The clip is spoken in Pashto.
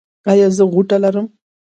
ایا زه غوټه لرم؟